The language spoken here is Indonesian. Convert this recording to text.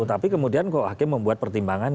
tapi kemudian kok hakim membuat pertimbangan